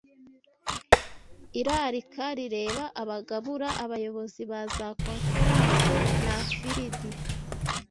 Irarika Rireba Abagabura, Abayobozi ba za Konferanse na Filidi